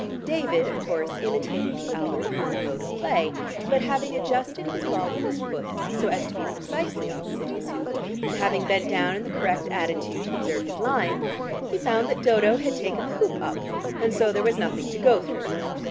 David, of course, imitated the Albert Hun mode of play, but, having adjusted his ball with his foot so as to be precisely opposite his hoop, and having bent down in the correct attitude to observe his line, he found that Dodo had taken the hoop up, and so there was nothing to go through.